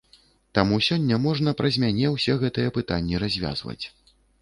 Таму сёння можна праз мяне ўсе гэтыя пытанні развязваць.